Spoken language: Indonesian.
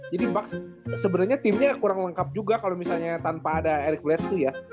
jadi bucks sebenernya timnya kurang lengkap juga kalo misalnya tanpa ada eric blesu ya